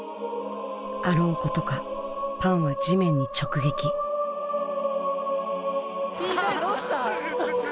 あろうことかパンは地面に直撃Ｔ大どうした？